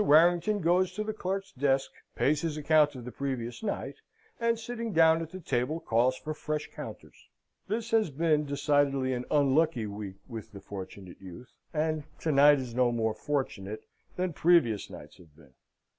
Warrington goes to the clerk's desk, pays his account of the previous night, and, sitting down at the table, calls for fresh counters. This has been decidedly an unlucky week with the Fortunate Youth, and to night is no more fortunate than previous nights have been.